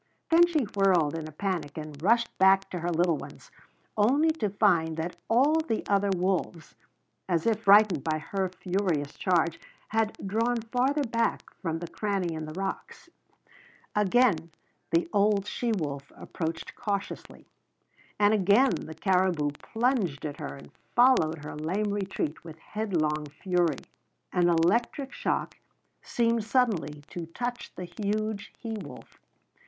Then she whirled in a panic and rushed back to her little ones, only to find that all the other wolves, as if frightened by her furious charge, had drawn farther back from the cranny in the rocks. Again the old she wolf approached cautiously, and again the caribou plunged at her and followed her lame retreat with headlong fury. An electric shock seemed suddenly to touch the huge he wolf.